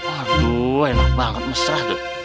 aduh enak banget mesra tuh